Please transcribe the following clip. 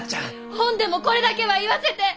ほんでもこれだけは言わせて！